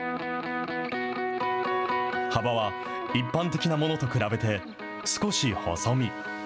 幅は一般的なものと比べて少し細身。